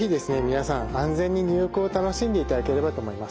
皆さん安全に入浴を楽しんでいただければと思います。